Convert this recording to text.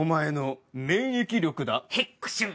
ヘックシュン！